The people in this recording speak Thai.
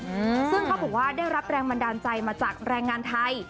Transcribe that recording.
อืมซึ่งเขาบอกว่าได้รับแรงบันดาลใจมาจากแรงงานไทย